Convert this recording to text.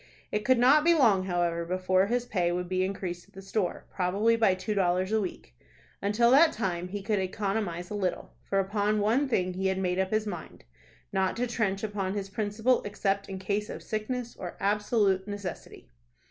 It could not be long, however, before his pay would be increased at the store, probably by two dollars a week. Until that time he could economize a little; for upon one thing he had made up his mind, not to trench upon his principal except in case of sickness or absolute necessity.